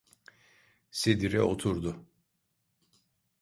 Sedire oturdu.